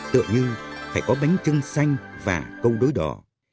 tựa như phải có bánh trưng xanh và câu đối đỏ